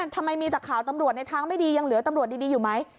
ทำไมมีแต่ข่าวตำรวจในทางไม่ดียังเหลือตำรวจดีอยู่ไหม